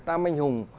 tâm anh hùng